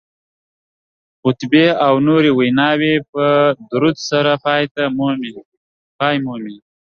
خطبې او نورې ویناوې په درود سره پای مومي